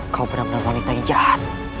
kau benar benar wanita yang jahat